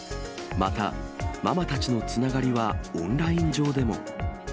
また、ママたちのつながりはオンライン上でも。